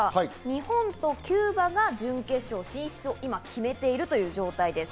日本とキューバが準決勝進出を今、決めているという状態です。